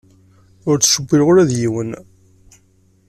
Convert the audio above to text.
Ur ttcewwileɣ ula d yiwen.